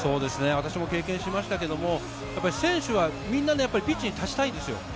私も経験しましたけど、選手はみんなピッチに立ちたいんですよ。